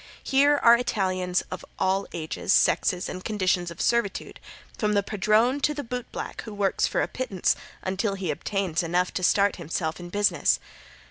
Here are Italians of all ages, sexes and conditions of servitude, from the padrone to the bootblack who works for a pittance until he obtains enough to start himself in business.